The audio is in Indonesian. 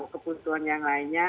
kebutuhan yang lainnya